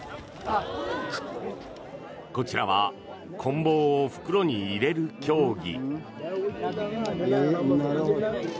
こちらはこん棒を袋に入れる競技。